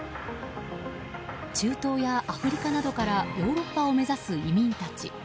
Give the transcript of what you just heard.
中東やアフリカなどからヨーロッパを目指す移民たち。